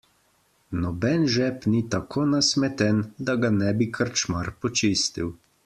Noben žep ni tako nasmeten, da ga ne bi krčmar počistil.